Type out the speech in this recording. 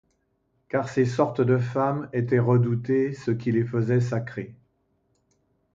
Car ces sortes de femmes étaient redoutées, ce qui les faisait sacrées.